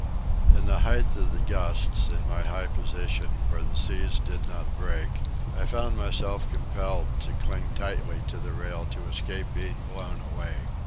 In the height of the gusts, in my high position, where the seas did not break, I found myself compelled to cling tightly to the rail to escape being blown away.